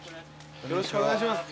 よろしくお願いします。